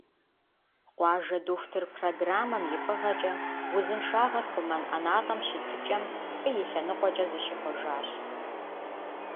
«Къуажэ дохутыр» программэм и фӀыгъэкӀэ, узыншагъэр хъумэн ӀэнатӀэм щытыкӀэм фӀы и лъэныкъуэкӀэ зыщихъуэжащ.